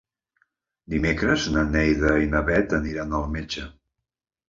Dimecres na Neida i na Bet aniran al metge.